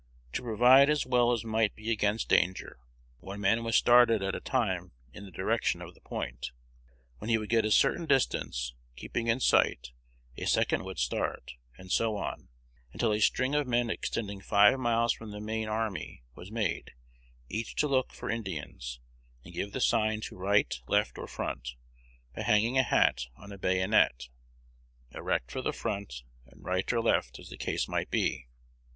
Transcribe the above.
"To provide as well as might be against danger, one man was started at a time in the direction of the point. When he would get a certain distance, keeping in sight, a second would start, and so on, until a string of men extending five miles from the main army was made, each to look out for Indians, and give the sign to right, left, or front, by hanging a hat on a bayonet, erect for the front, and right or left, as the case might be.